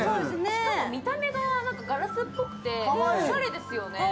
しかも見た目がガラスっぽくておしゃれですよね。